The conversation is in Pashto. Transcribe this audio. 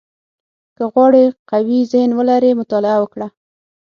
• که غواړې قوي ذهن ولرې، مطالعه وکړه.